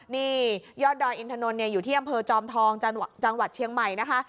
นี่ยอดดอยอินถนนอยู่ที่อำเภอจอมทองจังหวัดเชียงใหม่นะคะ